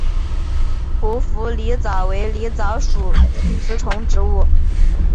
匍匐狸藻为狸藻属食虫植物。